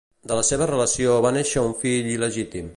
De la seva relació va néixer un fill il·legítim.